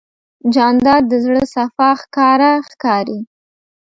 جانداد د زړه صفا ښکاره ښکاري.